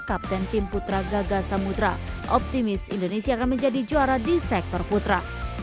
kapten tim putra gaga samudera optimis indonesia akan menjadi juara di sektor putra